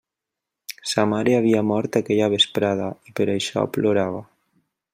Sa mare havia mort aquella vesprada, i per això plorava.